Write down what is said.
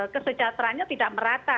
kesejahterannya tidak merata